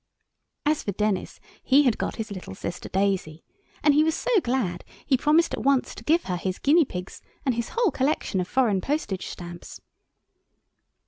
As for Denis, he had got his little sister Daisy, and he was so glad he promised at once to give her his guinea pigs and his whole collection of foreign postage stamps.